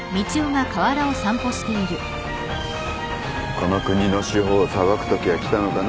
この国の司法を裁くときがきたのかな。